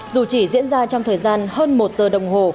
dù chỉ diễn ra trong thời gian hơn một giờ đồng hồ